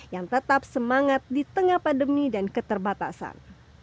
yang tetap semangat di tengah pandemi dan keterbatasan